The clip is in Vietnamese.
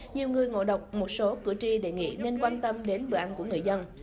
nhiều người ngộ độc một số cử tri đề nghị nên quan tâm đến bữa ăn của người dân